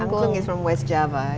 angklung dari jawa barat